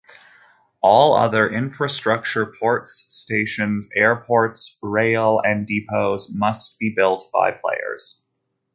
All other infrastructure-ports, stations, airports, rail, and depots-must be built by players.